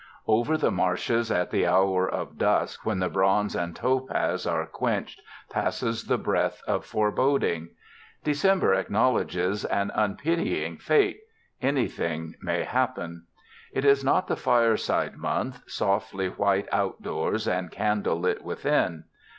Over the marshes at the hour of dusk when the bronze and topaz are quenched passes the breath of foreboding. December acknowledges an unpitying fate—anything may happen. It is not the fireside month, softly white outdoors and candlelit within.